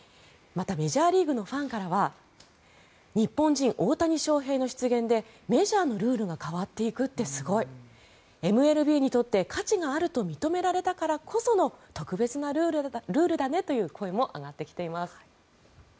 またメジャーリーグのファンからは日本人、大谷翔平の出現でメジャーのルールが変わっていくってすごいＭＬＢにとって価値があると認められたからこその特別なルールだねという声も上がってきています。